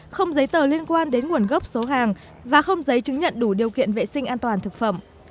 không giấy tờ liên quan đến nguồn gốc số hàng và không giấy chứng nhận đủ điều kiện vệ sinh an toàn thực phẩm